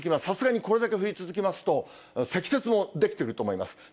さすがにこれだけ降り続きますと、積雪も出来ていると思います。